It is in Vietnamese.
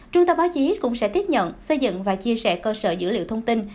trung tâm báo chí cũng sẽ tiếp nhận xây dựng và chia sẻ cơ sở dữ liệu thông tin